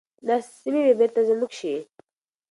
دا سیمي به بیرته زموږ شي.